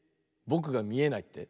ぼくがみえないって？